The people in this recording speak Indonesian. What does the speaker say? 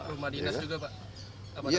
rumah dinas juga pak